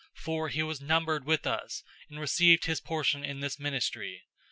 001:017 For he was numbered with us, and received his portion in this ministry.